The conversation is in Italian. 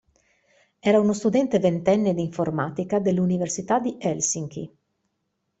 Era uno studente ventenne di informatica dell'università di Helsinki.